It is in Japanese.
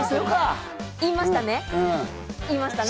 言いましたね？